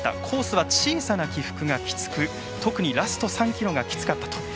コースは小さな起伏がきつく特にラスト３ｋｍがきつかった。